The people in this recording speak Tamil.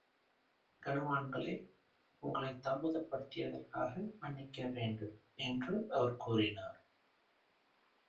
கனவான்களே, உங்களைத் தாமதப்படுத்தியதற்காக மன்னிக்க வேண்டும் என்று அவர் கூறினார்.